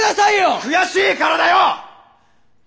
悔しいからだよ！